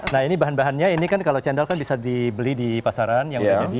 nah ini bahan bahannya ini kan kalau cendol kan bisa dibeli di pasaran yang udah jadi